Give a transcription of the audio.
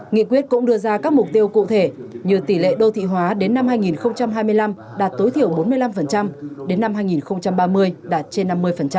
nghị quyết cũng đưa ra các mục tiêu cụ thể như tỷ lệ đô thị hóa đến năm hai nghìn hai mươi năm đạt tối thiểu bốn mươi năm đến năm hai nghìn ba mươi đạt trên năm mươi